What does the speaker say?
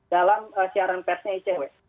dalam siaran persnya icw